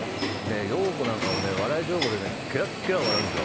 ようこなんかもね、笑い上戸でケラッケラ笑うんですよ。